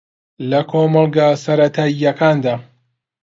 لە کۆمەڵگە سەرەتایییەکاندا